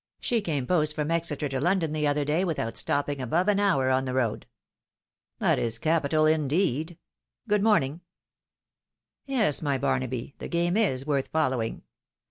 She came post from Exeter to London the other day, without stop ping above an hour on the road." " That is capital, indeed 1 Good morning." it " Yes, my Bamaby, the game is worth following.